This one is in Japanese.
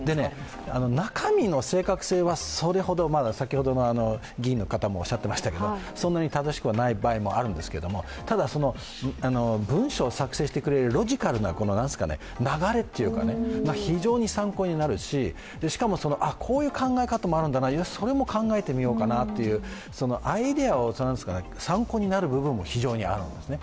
中身の正確性はそんなに正しくはない場合もあるんですけど、ただ、文章を作成してくれるロジカルな流れが非常に参考になるし、しかもこういう考え方もあるんだな、それも考えてみようかなという、アイデアを参考になる部分も非常にあるんですね。